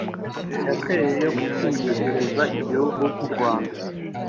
yateye yo kwiyegereza igihugu nk’u Rwanda